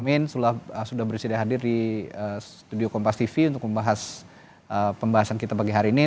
amin sudah bersedia hadir di studio kompas tv untuk membahas pembahasan kita pagi hari ini